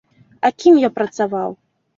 А кім я працаваў?